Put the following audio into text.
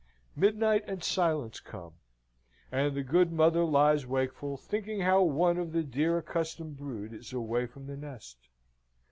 Midnight and silence come, and the good mother lies wakeful, thinking how one of the dear accustomed brood is away from the nest.